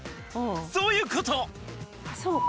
そういうこと！